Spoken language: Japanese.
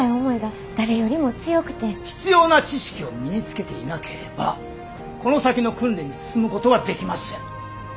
必要な知識を身につけていなければこの先の訓練に進むことはできません。